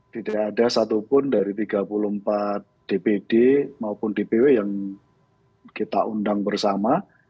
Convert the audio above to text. tidak ada satupun dari tiga puluh empat dpd maupun dpw yang kita undang bersama